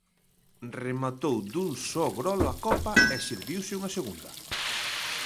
Rematou dun só grolo a copa e serviuse unha segunda.